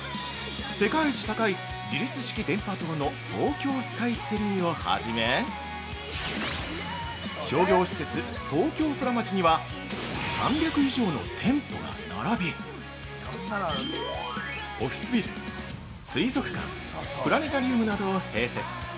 世界一高い自立式電波塔の東京スカイツリーを初め商業施設「東京ソラマチ」には３００以上の店舗が並びオフィスビル、水族館、プラネタリウムなどを併設。